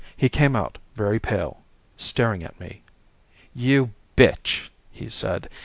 He came out, very pale, staring at me. "You bitch," he said.